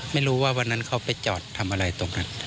ไม่รู้ว่าวันนั้นเขาไปจอดทำอะไรตรงนั้น